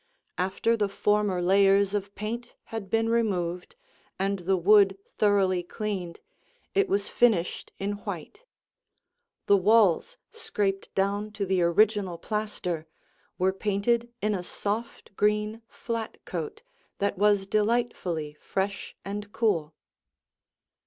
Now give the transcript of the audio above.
After the former layers of paint had been removed and the wood thoroughly cleaned, it was finished in white. The walls, scraped down to the original plaster, were painted in a soft green flat coat that was delightfully fresh and cool.